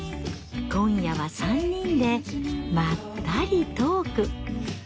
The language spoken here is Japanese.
今夜は３人でまったりトーク。